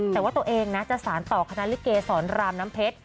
แต่ว่าตัวเองนะจะสารต่อคณะลิเกสรรามน้ำเพชร